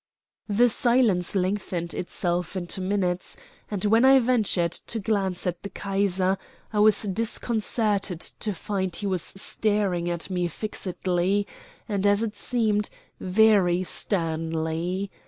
The silence lengthened itself into minutes, and, when I ventured to glance at the Kaiser, I was disconcerted to find that he was staring at me fixedly, and, as it seemed, very sternly.